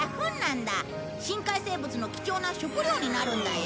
深海生物の貴重な食料になるんだよ。